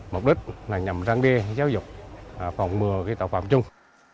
mục đích là nhằm răng bia giáo dục phòng mưa tạo phạm chung